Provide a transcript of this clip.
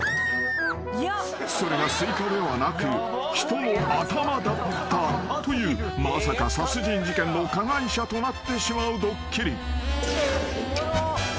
［それがスイカではなく人の頭だったというまさか殺人事件の加害者となってしまうドッキリ］